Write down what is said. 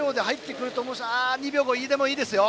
２秒５でも、いいですよ。